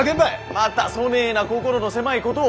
またそねえな心の狭いことを。